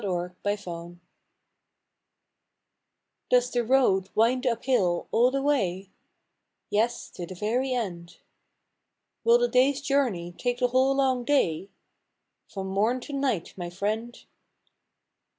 TYOES the road wind up hill all the way ?"^" Yes, to the very end !"" Will the day's journey take the whole long day " From morn to night, my friend!